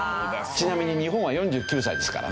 ちなみに日本は４９歳ですからね。